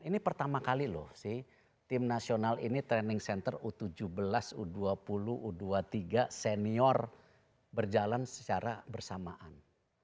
ini pertama kali loh sih tim nasional ini training center u tujuh belas u dua puluh u dua puluh tiga senior berjalan secara bersamaan